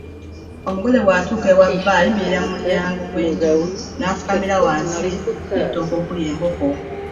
Omugole bw’atuuka ewa bba ayimirira mu mulyango gw’enju, n’afukamira wansi n’ettooke okuli enkoko.